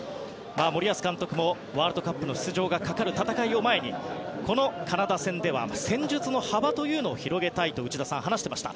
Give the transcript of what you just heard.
森保監督もワールドカップの出場がかかる戦いを前にこのカナダ戦では戦術の幅を広げたいと内田さん、話していました。